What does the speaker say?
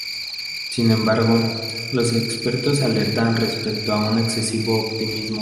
Sin embargo, los expertos alertan respecto a un excesivo optimismo.